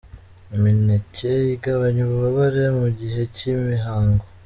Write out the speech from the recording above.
Imineke igabanya ububabare mu gihe cy’imihango .